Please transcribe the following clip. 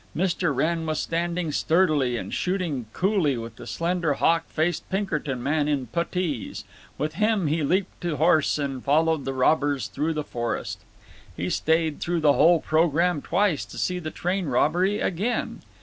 Mr. Wrenn was standing sturdily and shooting coolly with the slender hawk faced Pinkerton man in puttees; with him he leaped to horse and followed the robbers through the forest. He stayed through the whole program twice to see the train robbery again.